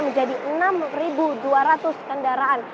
menjadi enam dua ratus kendaraan